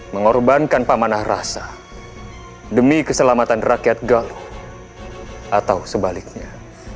mengorbankan pamanah rasa demi keselamatan rakyat galuh atau sebaliknya